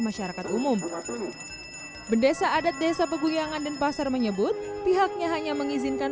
masyarakat umum bendesa adat desa peguyangan denpasar menyebut pihaknya hanya mengizinkan